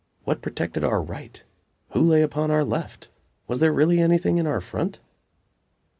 What protected our right? Who lay upon our left? Was there really anything in our front?